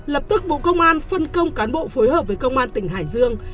lập tức bộ công an phân công cán bộ phối hợp với công an tỉnh hải dương